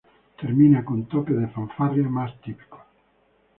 Termina con toques de fanfarria más típicos.